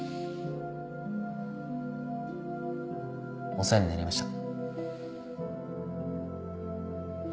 お世話になりました。